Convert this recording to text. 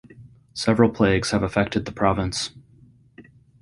Several plagues have affected the province.